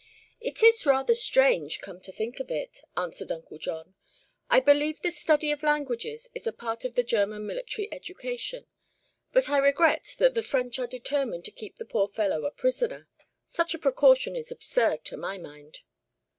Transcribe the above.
"It is rather strange, come to think of it," answered Uncle John. "I believe the study of languages is a part of the German military education. But I regret that the French are determined to keep the poor fellow a prisoner. Such a precaution is absurd, to my mind."